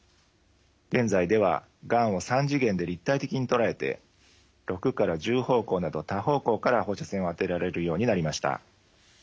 現在ではがんを３次元で立体的に捉えて６から１０方向など多方向から放射線を当てられるようになりました。